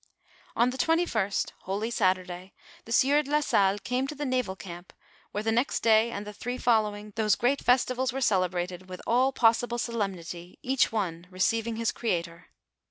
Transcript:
On the twenty firet, holy Saturday, the sieur de la Salle came to the naval camp, where the next day and the three following, those great festivals were celebrated with all possi ble solemnity, each one receiving his Creator.